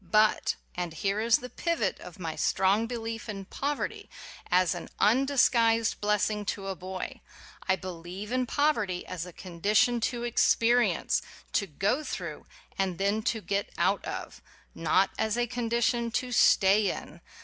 But ŌĆö and here is the pivot of my strong beUef in poverty as an undis guised blessing to a boy ŌĆö I beheve in poverty as a condition to experience, to go through, and then to get out of : not as a condition to stay in.